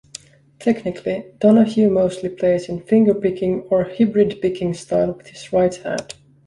Technically, Donahue mostly plays in fingerpicking or hybrid picking style with his right hand.